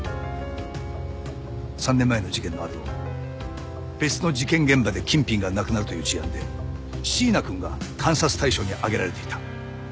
３年前の事件のあと別の事件現場で金品がなくなるという事案で椎名くんが監察対象に挙げられていた。